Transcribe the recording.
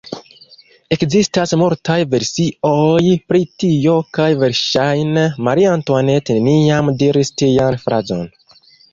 Ekzistas multaj versioj pri tio kaj verŝajne Marie-Antoinette neniam diris tian frazon.